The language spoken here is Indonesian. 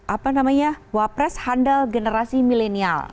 apa namanya wapres handal generasi milenial